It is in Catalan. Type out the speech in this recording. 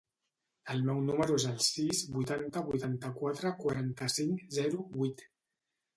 El meu número es el sis, vuitanta, vuitanta-quatre, quaranta-cinc, zero, vuit.